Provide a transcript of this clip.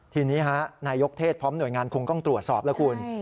ทีนี้นายกเทศพร้อมหน่วยงานคงต้องตรวจสอบแล้วคุณ